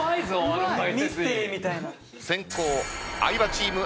先攻相葉チーム